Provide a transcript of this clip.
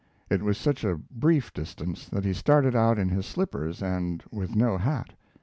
It was such a brief distance that he started out in his slippers and with no hat.